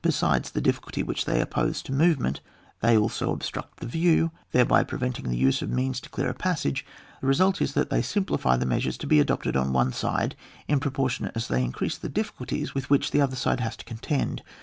sides the difficulty which they oppose to moyement they also obstruct the view, thereby preventing the use of means to dear a passage, the result is that they simplify the measures to be adopted on one side in proportion as they increase the difficulties with which the other side has to contend.